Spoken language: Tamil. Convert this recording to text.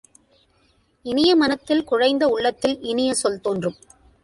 இனிய மனத்தில் குழைந்த உள்ளத்தில் இனிய சொல் தோன்றும்.